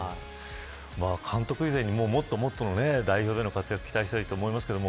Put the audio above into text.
監督以前に、もっともっとね代表での活躍を期待したいと思いますけど。